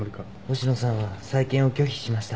星野さんは再建を拒否しました。